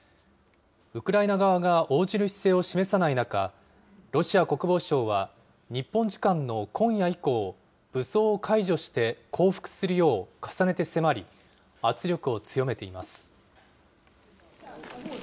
ウクライナ側が応じる姿勢を示さない中、ロシア国防省は、日本時間の今夜以降、武装を解除して降伏するよう重ねて迫り、圧力を強めています。